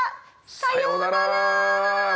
さようなら。